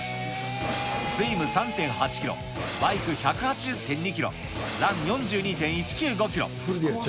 スイム３．８キロ、バイク１８０．２キロ、ラン４２．１９５キロ。